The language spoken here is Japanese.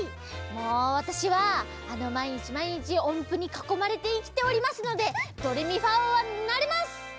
もうわたしはまいにちまいにちおんぷにかこまれていきておりますのでドレミファおうなります！